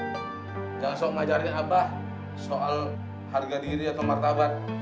jangan sok ngajarin abah soal harga diri atau martabat